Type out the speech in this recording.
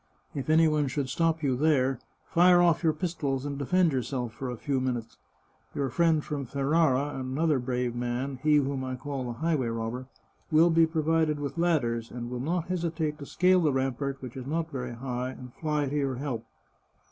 If any one should stop you there, fire off your pistols, and defend your self for a few minutes. Your friend from Ferrara and an other brave man, he whom I call the highway robber, will 374 The Chartreuse of Parma be provided with ladders, and will not hesitate to scale the rampart, which is not very high, and to fly to your help.